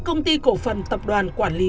công ty cổ phần tập đoàn quản lý